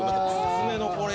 爪のこれ。